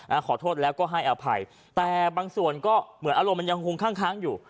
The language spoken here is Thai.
ขอโทษแล้วก็ให้อภัยแต่บางส่วนก็เหมือนอารมณ์มันยังคงข้างค้างอยู่